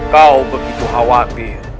kau begitu khawatir